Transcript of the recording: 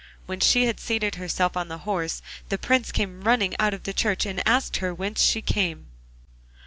When she had seated herself on the horse the Prince came running out of the church and asked her whence she came.